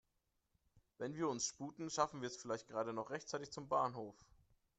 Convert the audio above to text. Wenn wir uns sputen, schaffen wir es vielleicht gerade noch rechtzeitig zum Bahnhof.